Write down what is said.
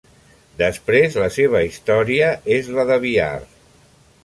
Després la seva història és la de Bihar.